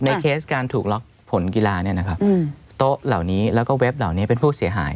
เคสการถูกล็อกผลกีฬาเนี่ยนะครับโต๊ะเหล่านี้แล้วก็เว็บเหล่านี้เป็นผู้เสียหาย